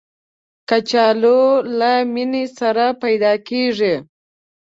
کچالو له مینې سره پیدا کېږي